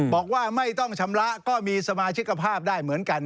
บอกว่าไม่ต้องชำระก็มีสมาชิกภาพได้เหมือนกัน